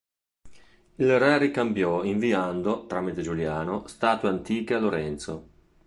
Il re ricambiò inviando, tramite Giuliano, statue antiche a Lorenzo.